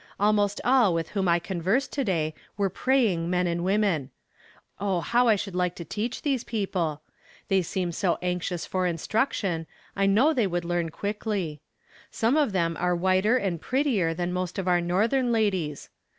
Almost all with whom I conversed to day were praying men and women. Oh, how I should like to teach these people! They seem so anxious for instruction, I know they would learn quickly. Some of them are whiter and prettier than most of our northern ladies.